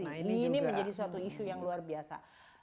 ini menjadi suatu isu yang luar biasa